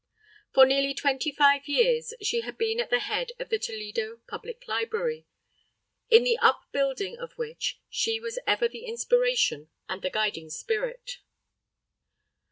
For nearly twenty five years, she had been at the head of the Toledo Public Library, in the upbuilding of which she was ever the inspiration and the guiding spirit.